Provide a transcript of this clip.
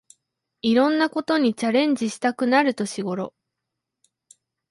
いろんなことにチャレンジしたくなる年ごろ